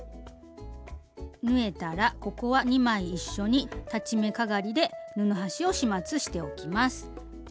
縫えたらここは２枚一緒に裁ち目かがりで布端を始末しておきます。